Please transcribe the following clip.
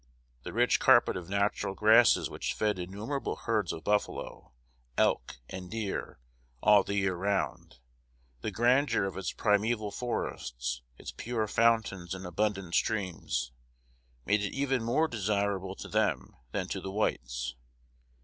The rich carpet of natural grasses which fed innumerable herds of buffalo, elk, and deer, all the year round; the grandeur of its primeval forests, its pure fountains, and abundant streams, made it even more desirable to them than to the whites.